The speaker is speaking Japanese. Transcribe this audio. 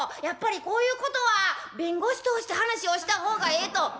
やっぱりこういうことは弁護士通して話をした方がええと」。